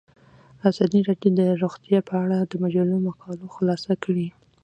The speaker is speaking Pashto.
ازادي راډیو د روغتیا په اړه د مجلو مقالو خلاصه کړې.